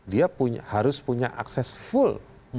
dia harus punya akses full